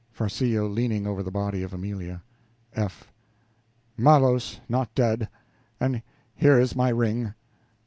(Farcillo leaning over the body of Amelia.) F. Malos not dead, and here is my ring!